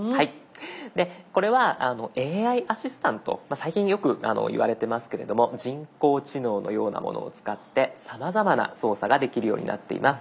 最近よく言われてますけれども人工知能のようなものを使ってさまざまな操作ができるようになっています。